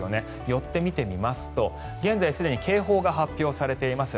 寄って見てみますと現在すでに警報が発表されています。